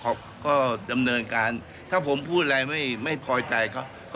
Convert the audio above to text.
ไม่ได้หมายถึงการดูแลให้ความช่วยเหลือนักท่องเที่ยวชาวจีนค่ะ